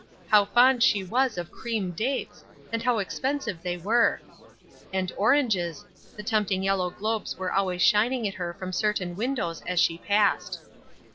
How fond she was of cream dates, and how expensive they were; and oranges, the tempting yellow globes were always shining at her from certain windows as she passed.